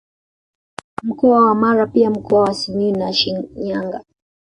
Mkoa wa Mara pia Mkoa wa Simiyu na Shinyanga